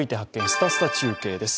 すたすた中継」です。